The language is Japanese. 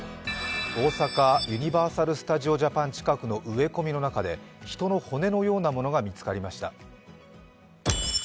大阪ユニバーサル・スタジオ・ジャパン近くの植え込みの中で人の骨のようなものが見つかりました。